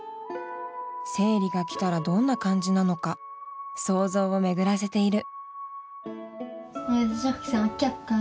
生理が来たらどんな感じなのか想像を巡らせている。